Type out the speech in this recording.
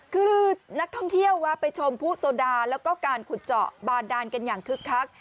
คือนักท่องเที่ยวแวะไปชมผู้โซดาแล้วก็การขุดเจาะบาดานกันอย่างคึกคัก